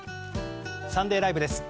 「サンデーＬＩＶＥ！！」です。